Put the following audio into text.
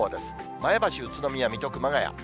前橋、宇都宮、水戸、熊谷。